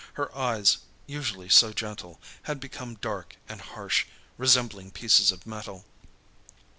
Her eyes, usually so gentle, had become dark and harsh, resembling pieces of metal.